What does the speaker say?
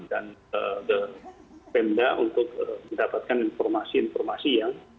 dan ke pemda untuk mendapatkan informasi informasi yang